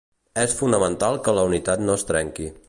És fonamental que la unitat no es trenqui.